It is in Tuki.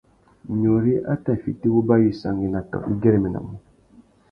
Nyôrï a tà fiti wuba wissangüena tô i güeréménamú.